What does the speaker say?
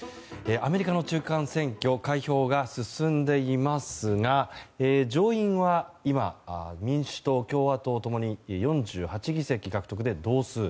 アメリカの中間選挙開票が進んでいますが上院は今、民主党、共和党共に４８議席獲得で同数。